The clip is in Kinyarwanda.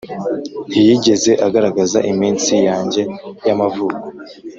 ntiyigeze agaragaza iminsi yanjye y'amavuko,